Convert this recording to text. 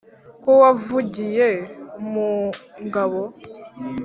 ko wavugiye mu ngabo